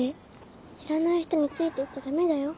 知らない人についてっちゃダメだよ。